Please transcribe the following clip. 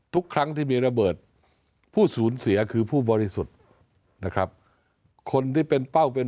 ทุกครั้งที่มีระเบิดผู้สูญเสียคือผู้บริสุทธิ์นะครับคนที่เป็นเป้าเป็น